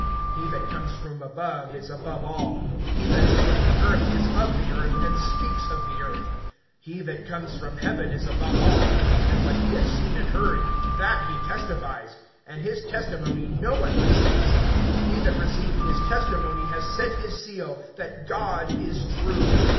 (31)He that comes from above is above all; he that is from the earth is of the earth, and speaks of the earth; he that comes from heaven is above all. (32)And what he has seen and heard, that he testifies; and his testimony no one receives. (33)He that received his testimony has set his seal, That God is true.